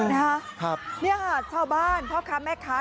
นี่ค่ะชาวบ้านพ่อค้าแม่ค้า